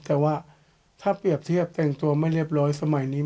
แต่ว่าถ้าเปรียบเทียบแต่งตัวไม่เรียบร้อยสมัยนี้